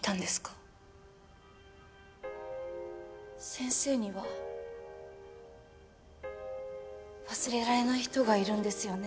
先生には忘れられない人がいるんですよね？